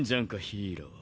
ヒーロー。